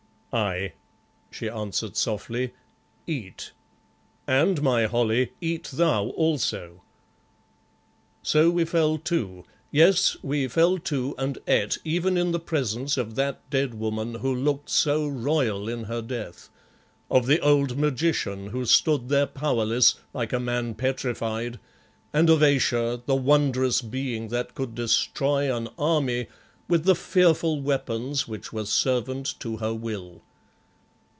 "Aye," she answered softly, "eat, and, my Holly, eat thou also." So we fell to, yes, we fell to and ate even in the presence of that dead woman who looked so royal in her death; of the old magician who stood there powerless, like a man petrified, and of Ayesha, the wondrous being that could destroy an army with the fearful weapons which were servant to her will.